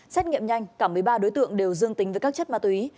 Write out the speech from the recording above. xét nghiệm nhanh cả một mươi ba đối tượng đều dương tính với các chất ma túy